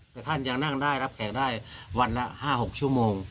แต่ท่านยังนั่งได้รับแขกได้วันละ๕๖ชั่วโมง